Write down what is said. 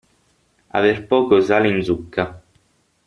Aver poco sale in zucca.